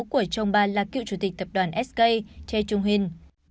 của trong ban là cựu chủ tịch tập đoàn sk tae chung hin